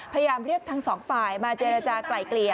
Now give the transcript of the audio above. พยายามเรียกทั้งสองฝ่ายมาเจรจากลายเกลี่ย